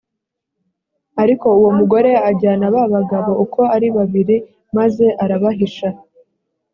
ariko uwo mugore ajyana ba bagabo uko ari babiri, maze arabahisha.